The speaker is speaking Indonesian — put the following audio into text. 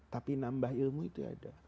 tapi nambah ilmu itu ada